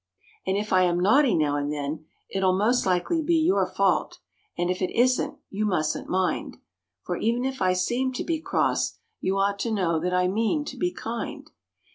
And if I am naughty now and then, it'll most likely be your fault; and, if it isn't, you mustn't mind; For even if I seem to be cross, you ought to know that I mean to be kind.